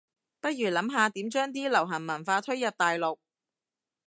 不如諗下點將啲流行文化推入大陸